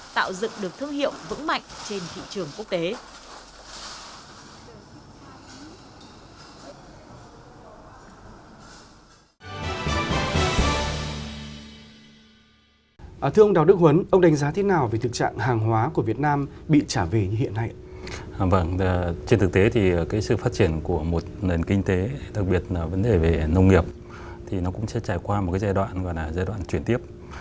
tạo dựng được thương hiệu vững mạnh trên thị trường quốc tế